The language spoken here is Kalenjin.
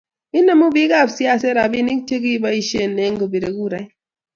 inemu biikap siaset robinik chegiboishen eng kepiree kurait